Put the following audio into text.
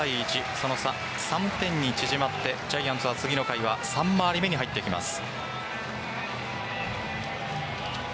その差３点に縮まってジャイアンツは次の回は３回り目に入っていきます。